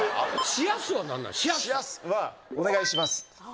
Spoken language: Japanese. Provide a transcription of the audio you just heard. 「しやす！」はお願いします。